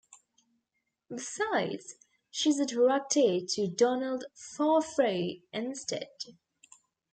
Besides, she's attracted to Donald Farfrae instead.